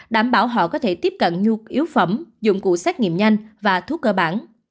đảm bảo họ có thể tiếp cận nhu yếu phẩm dụng cụ xét nghiệm nhanh và thuốc cơ bản